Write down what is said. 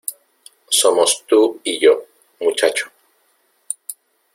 Somos tú y yo, muchacho.